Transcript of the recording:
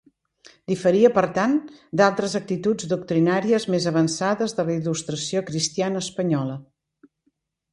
Diferia, per tant, d'altres actituds doctrinàries més avançades de la Il·lustració cristiana espanyola.